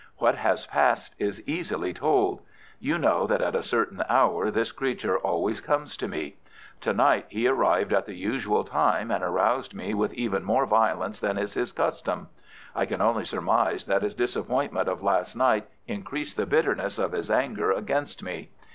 What has passed is easily told. You know that at a certain hour this creature always comes to me. To night he arrived at the usual time, and aroused me with even more violence than is his custom. I can only surmise that his disappointment of last night increased the bitterness of his anger against me.